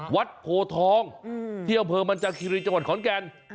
วัดโภทองเที่ยวเผลอมันจังคิรีจังหวัดขอนแกน